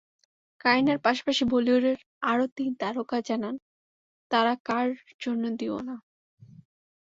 কারিনার পাশাপাশি বলিউডের আরও তিন তারকা জানান তাঁরা কার জন্য দিওয়ানা।